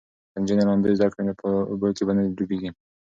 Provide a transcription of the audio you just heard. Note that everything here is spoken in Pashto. که نجونې لامبو زده کړي نو په اوبو کې به نه ډوبیږي.